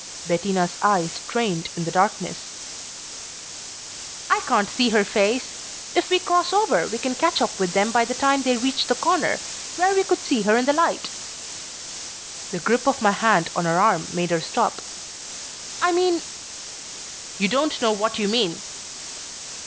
Bettina's eyes strained in the darkness. "I can't see her face. If we cross over we can catch up with them by the time they reach the corner where we could see her in the light." The grip of my hand on her arm made her stop. "I mean " "You don't know what you mean."